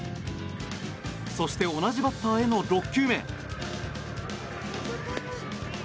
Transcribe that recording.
そして、同じバッターへの６球目。